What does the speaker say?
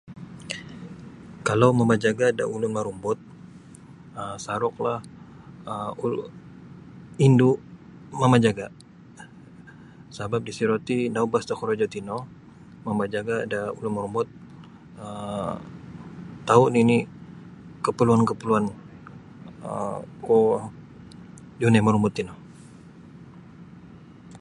Kalau mamajaga' da ulun morumbut um saruklah um indu' mamajaga' sabap disiro ti naubas da korojo tino mamajaga' da ulun morumbut um tau' nini' kaparluan-kaparluan um kuo yunai morumbut tino.